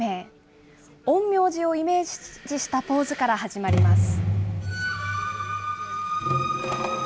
陰陽師をイメージしたポーズから始まります。